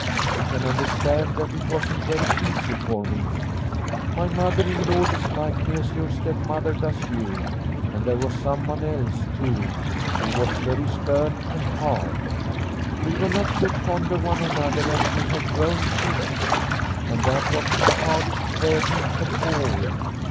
You can understand that it wasn't very easy for me. My mother in law disliked me as your stepmother does you. And there was someone else, too, who was very stern and hard. We were not so fond of one another as we have grown since, and that was the hardest burden of all.